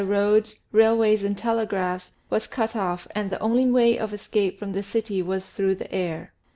roads, railways, and telegraphs, was cut off and the only way of escape from the city was through the air.